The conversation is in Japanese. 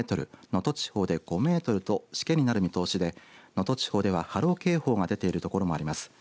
能登地方で５メートルとしけになる見通しで能登地方では、波浪警報が出ている所もあります。